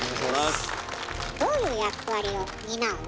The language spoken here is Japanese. どういう役割を担うの？